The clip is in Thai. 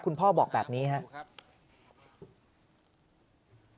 พ่อบอกแบบนี้ครับ